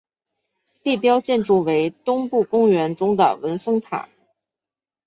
地标建筑为东皋公园中的文峰塔。